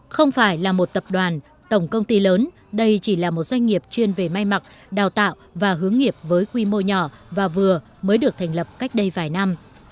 không phải là một tập đoàn tổng công ty lớn đây chỉ là một doanh nghiệp chuyên về may mặc đào tạo và hướng nghiệp với quy mô nhỏ và vừa mới được thành lập cách đây vài năm